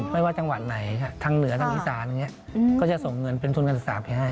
ไม่ว่าจังหวัดไหนทั้งเหนือทั้งอีสานึงเนี่ยก็จะส่งเงินเป็นทุนการศาสน์ไว้ให้